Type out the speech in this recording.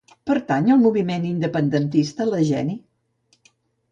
Pertany al moviment independentista la Jeni?